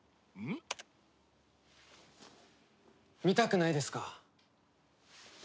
見たくないですか？